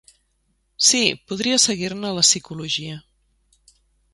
Sí, podria seguir-ne la psicologia.